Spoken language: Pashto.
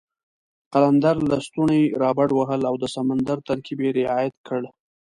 قلندر لسټوني را بډ وهل او د سمندر ترکیب یې رعایت کړ.